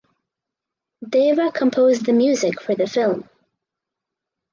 Deva composed the music for the film.